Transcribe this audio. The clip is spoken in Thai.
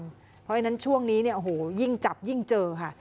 เพราะฉะนั้นช่วงนี้เนี่ยโอ้โหยิ่งจับยิ่งเจอค่ะ